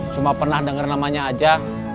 cuma pernah dengar namanya aja